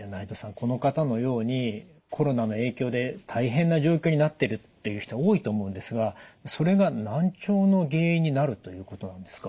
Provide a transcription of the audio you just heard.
この方のようにコロナの影響で大変な状況になってるっていう人多いと思うんですがそれが難聴の原因になるということなんですか。